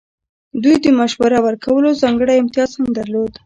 دوی د مشوره ورکولو ځانګړی امتیاز هم درلود.